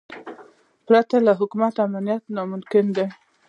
پرته له حکومت امنیت ناممکن دی.